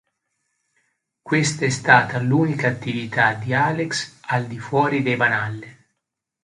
Questa è stata l'unica attività di Alex al di fuori dei Van Halen.